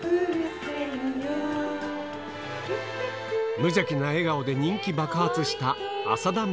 無邪気な笑顔で人気爆発した